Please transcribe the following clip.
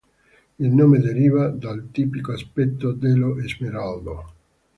Il nome deriva dal tipico aspetto dello smeraldo.